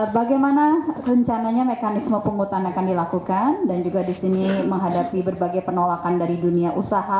bagaimana rencananya mekanisme penghutan akan dilakukan dan juga di sini menghadapi berbagai penolakan dari dunia usaha